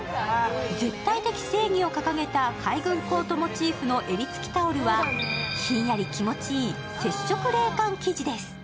絶対的正義を掲げた海軍コートモチーフの襟付きタオルはひんやり気持ちいい、接触冷感生地です。